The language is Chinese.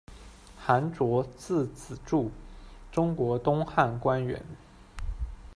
韩卓，字子助，中国东汉官员。